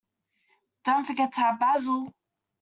Don't forget to add Basil.